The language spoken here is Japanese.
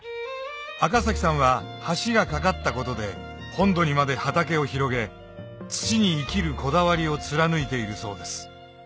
赤さんは橋が架かったことで本土にまで畑を広げ土に生きるこだわりを貫いているそうです